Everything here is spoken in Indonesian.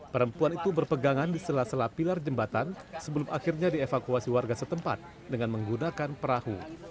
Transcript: perempuan itu berpegangan di sela sela pilar jembatan sebelum akhirnya dievakuasi warga setempat dengan menggunakan perahu